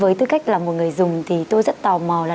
với tư cách là một người dùng thì tôi rất tò mò là